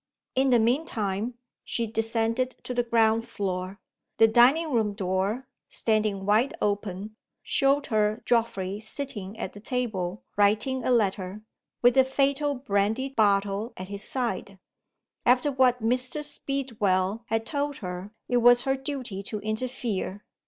In the mean time, she descended to the ground floor. The dining room door, standing wide open, showed her Geoffrey sitting at the table, writing a letter with the fatal brandy bottle at his side. After what Mr. Speedwell had told her, it was her duty to interfere.